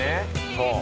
そう。